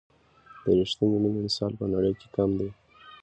د رښتیني مینې مثال په نړۍ کې کم دی.